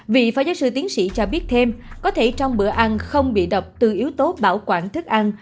vị phó giáo sư tiến sĩ cho biết thêm có thể trong bữa ăn không bị độc từ yếu tố bảo quản thức ăn